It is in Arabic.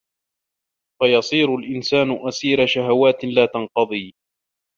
فَيَصِيرُ الْإِنْسَانُ أَسِيرَ شَهَوَاتٍ لَا تَنْقَضِي